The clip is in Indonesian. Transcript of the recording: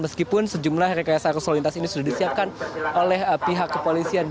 meskipun sejumlah rekayasa arus lalu lintas ini sudah disiapkan oleh pihak kepolisian